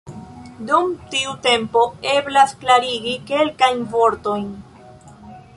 Dum tiu tempo eblas klarigi kelkajn vortojn.